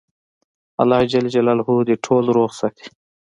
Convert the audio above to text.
الله ج دي تل روغ ساتی